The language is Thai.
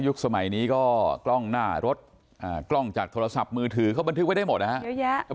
สมัยนี้ก็กล้องหน้ารถกล้องจากโทรศัพท์มือถือเขาบันทึกไว้ได้หมดนะฮะเยอะแยะ